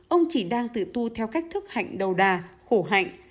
ông chỉ đang tự tu theo cách thức hạnh đầu đà khổ hạnh